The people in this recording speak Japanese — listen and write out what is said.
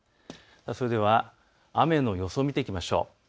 それでは雨の予想を見ていきましょう。